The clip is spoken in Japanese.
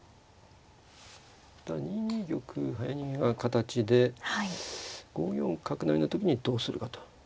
ただ２二玉早逃げが形で５四角成の時にどうするかと。